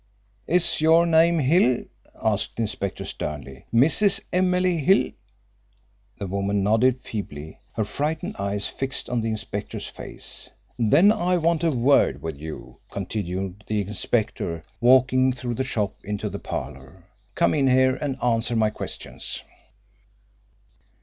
"Is your name Hill?" asked the inspector sternly. "Mrs. Emily Hill?" The woman nodded feebly, her frightened eyes fixed on the inspector's face. "Then I want to have a word with you," continued the inspector, walking through the shop into the parlour. "Come in here and answer my questions."